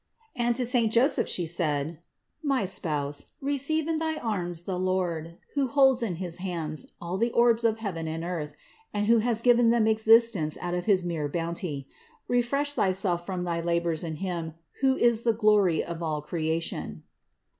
And to saint Joseph She said : "My Spouse, receive in thy arms the Lord, who holds in his hands all the orbs of heaven and earth, and who has given them existence out of his mere bounty. Re fresh thyself from thy labors in Him who is the glory of all creation."